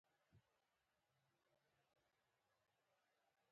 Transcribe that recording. خپلې سجدې ته يې پرې نه ښودې.